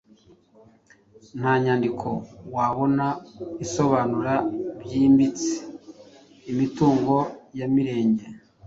Nta nyandiko wabona isobanura byimbitse imitungo ya Mirenge,